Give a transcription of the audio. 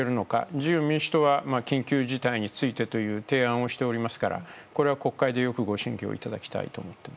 自由民主党は緊急事態についてという提案をしているからこれは国会でよく審議をいただきたい。